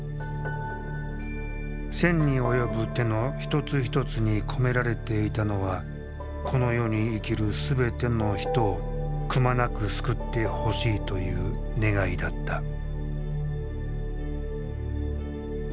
千に及ぶ手の一つ一つに込められていたのはこの世に生きる全ての人をくまなく救ってほしいという願いだった。